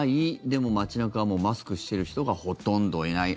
でも、街中はもう、マスクをしている人がほとんどいない。